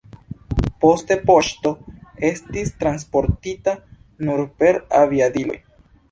Poste poŝto estis transportita nur per aviadiloj.